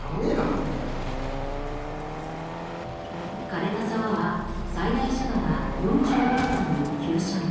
枯れた沢は最大斜度が４５度という急斜面。